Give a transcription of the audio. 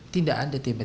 tidak ada tiba tiba satu